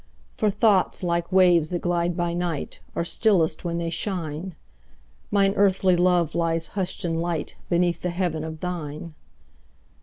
For thoughts, like waves that glide by night, Are stillest when they shine; Mine earthly love lies hush'd in lightBeneath the heaven of thine.